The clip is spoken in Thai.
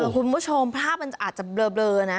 คุณผู้ชมภาพมันอาจจะเบลอนะ